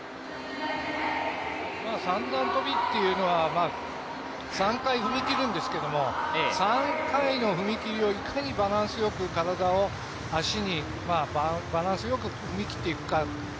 三段跳びというのは３回踏み切るんですけれども３回の踏み切りをいかにバランスよく体を足にバランスよく踏み切っていくか。